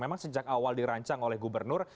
memang sejak awal dirancang oleh gubernur